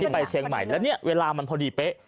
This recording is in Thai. ไปเชียงใหม่แล้วเนี่ยเวลามันพอดีเป๊ะ